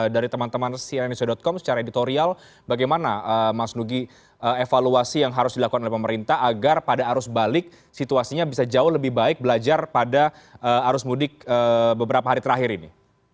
dari teman teman cnn indonesia com secara editorial bagaimana mas nugi evaluasi yang harus dilakukan oleh pemerintah agar pada arus balik situasinya bisa jauh lebih baik belajar pada arus mudik beberapa hari terakhir ini